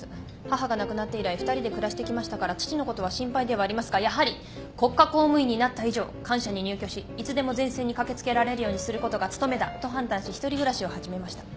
母が亡くなって以来２人で暮らしてきましたから父のことは心配ではありますがやはり国家公務員になった以上官舎に入居しいつでも前線に駆け付けられるようにすることが務めだと判断し一人暮らしを始めました。